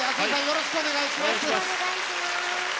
よろしくお願いします。